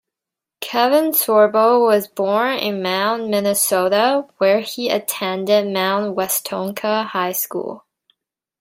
Kevin Sorbo was born in Mound, Minnesota, where he attended Mound Westonka High School.